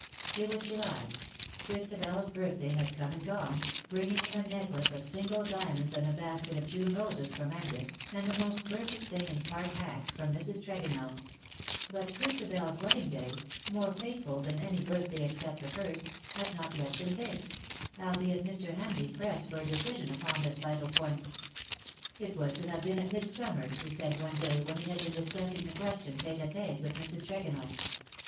It was IN 60CIETV. 191 July — Cliristabel's birthday had come and gone, bringing a necklace of single diamonds and a basket of June roses from Angus, and the most perfect thing in Park hacks from Mrs. Tregonell — but Christabers wedding day — more fateful than any birthday except the first — had not yet been fixed — albeit Mr. Hamleigh pressed for a decision upon this vital point. *^ It was to have been at Midsummer/'' he said, one day, when he had been discussing the question tete a tete with Mrs. Tregonell.